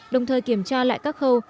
đồng thời kiểm tra lại các khâu